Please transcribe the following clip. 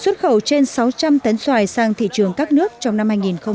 trăm tấn xoài sang thị trường các nước trong năm hai nghìn một mươi tám